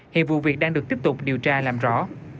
hiện vụ việc đang được tiếp tục điều tra làm rõ